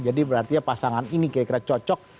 jadi berarti pasangan ini kira kira cocok